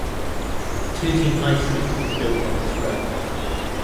Tooting High Street is built on this road.